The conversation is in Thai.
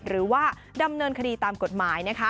หรือว่าดำเนินคดีตามกฎหมายนะคะ